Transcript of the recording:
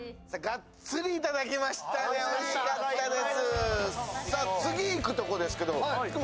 おいしかったです。